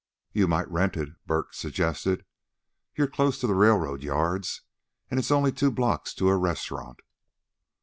"You might rent it," Bert suggested. "You're close to the railroad yards, and it's only two blocks to a restaurant."